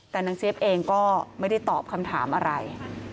แต่นางเจี๊ยบเองก็ไม่ได้ตอบคำถามอะไร